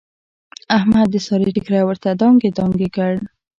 احمد د سارې ټیکری ورته دانګې دانګې کړ.